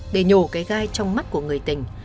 để nhổ cái gai trong mắt của người tình